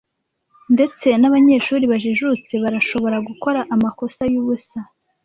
Ndetse nabanyeshuri bajijutse barashobora gukora amakosa yubusa.